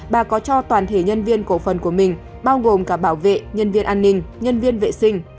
bà có cho toàn thể nhân viên cổ phần của mình bao gồm cả bảo vệ nhân viên an ninh nhân viên vệ sinh